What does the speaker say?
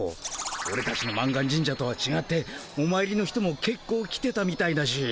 オレたちの満願神社とはちがっておまいりの人もけっこう来てたみたいだし。